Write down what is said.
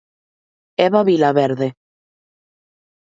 Eva Vilaverde.